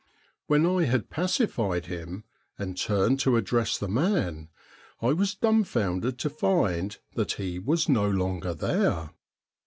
When I had pacified him, and turned to address the man, I was dumfoundered to find that he was no longer there.